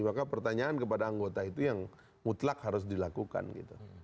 maka pertanyaan kepada anggota itu yang mutlak harus dilakukan gitu